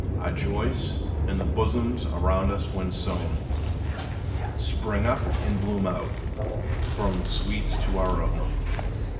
Our joys, in the bosoms around us when sown, Spring up and bloom out, throwing sweets to our own.